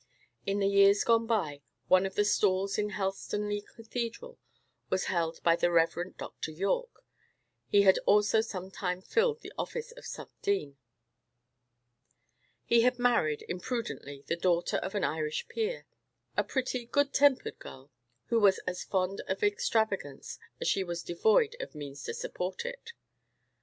In the years gone by, one of the stalls in Helstonleigh Cathedral was held by the Reverend Dr. Yorke: he had also some time filled the office of sub dean. He had married, imprudently, the daughter of an Irish peer, a pretty, good tempered girl, who was as fond of extravagance as she was devoid of means to support it.